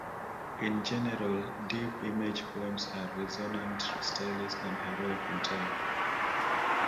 In general, deep image poems are resonant, stylized and heroic in tone.